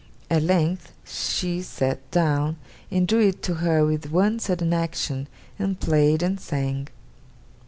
At length she sat down, and drew it to her with one sudden action, and played and sang.